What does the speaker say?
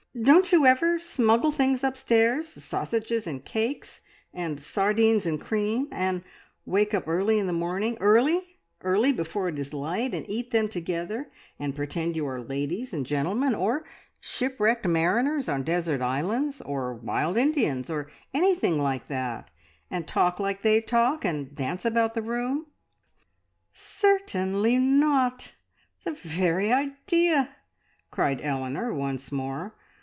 "Don't you ever smuggle things upstairs sausages and cakes, and sardines and cream and wake up early in the morning early early, before it is light and eat them together, and pretend you are ladies and gentlemen, or shipwrecked mariners on desert islands, or wild Indians, or anything like that, and talk like they talk, and dance about the room?" "Cer tain ly not! The very idea!" cried Eleanor once more.